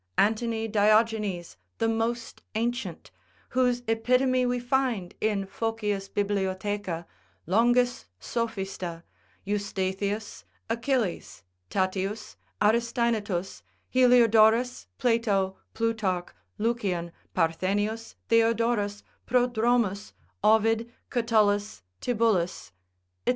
Antony Diogenes the most ancient, whose epitome we find in Phocius Bibliotheca, Longus Sophista, Eustathius, Achilles, Tatius, Aristaenetus, Heliodorus, Plato, Plutarch, Lucian, Parthenius, Theodorus, Prodromus, Ovid, Catullus, Tibullus, &c.